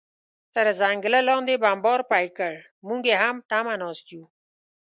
تر ځنګله لاندې بمبار پیل کړ، موږ یې هم تمه ناست و.